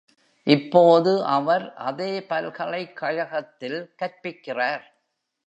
இப்போது அவர் அதே பல்கலைக்கழகத்தில் கற்பிக்கிறார்.